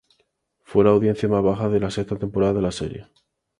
Fue la audiencia más baja de la sexta temporada de la serie.